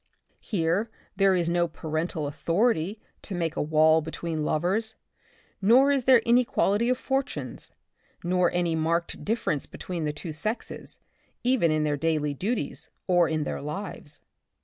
Here there is no parental authority to make a wall between lovers, nor is there inequality of fortunes, nor any marked differ ence between the two sexes, even in their daily . duties or in their lives.